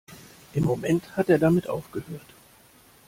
Im Moment hat er damit aufgehört!